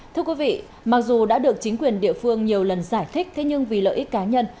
thưa quý vị mặc dù đã được chính quyền địa phương nhiều lần giải thích thế nhưng vì lợi ích cá nhân